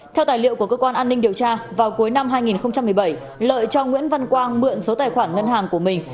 theo tài liệu của cơ quan an ninh điều tra vào cuối năm hai nghìn một mươi bảy lợi cho nguyễn văn quang mượn số tài khoản ngân hàng của mình